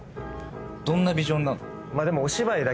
どんなビジョンなの？